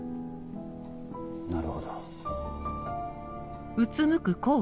なるほど。